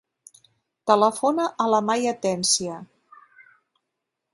Telefona a la Maya Atencia.